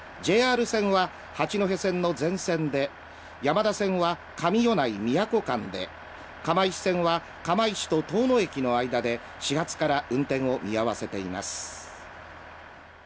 ＪＲ線は八戸線の全線で、山田線は上米内−宮古間で釜石線は釜石と遠野駅の間で始発から運転を見合わせています。